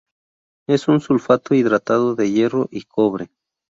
Es un sulfato hidratado de hierro y cobre.